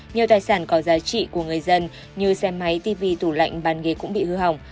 nhiều tài sản có giá trị của người dân như xe máy tv tủ lạnh bàn ghế cũng bị hư hỏng